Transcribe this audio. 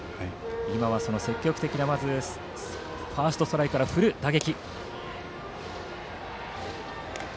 今はその積極的なファーストストライクから振る打撃。